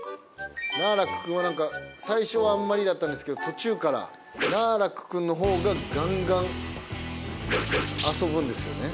ナーラックくんは最初はあんまりだったんですけど途中からナーラックくんのほうがガンガン遊ぶんですよね。